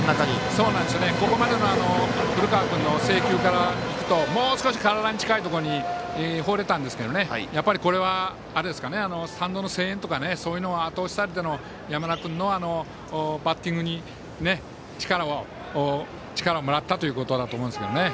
ここまでの古川君の制球からいくともう少し体に近いところに放れたんですけどやっぱり、スタンドの声援とかにあと押しされての山田君のバッティングに力をもらったということだと思いますね。